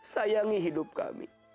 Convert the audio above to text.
sayangi hidup kami